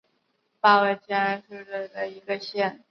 巴吉亚县是东帝汶民主共和国包考区的一个县。